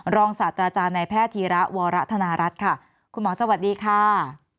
ศาสตราจารย์ในแพทย์ธีระวรธนารัฐค่ะคุณหมอสวัสดีค่ะ